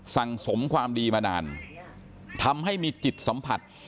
สมความดีมานานทำให้มีจิตสัมผัส